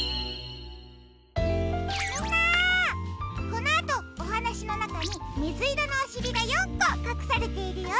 このあとおはなしのなかにみずいろのおしりが４こかくされているよ。